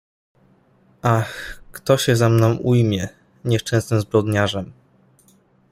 Ach, kto się za mną ujmie, nieszczęsnym zbrodniarzem.